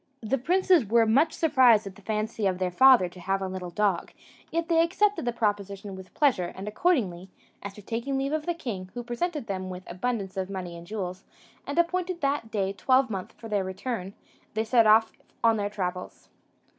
The princes were much surprised at the fancy of their father to have a little dog, yet they accepted the proposition with pleasure; and accordingly, after taking leave of the king, who presented them with abundance of money and jewels, and appointed that day twelvemonth for their return, they set off on their travels.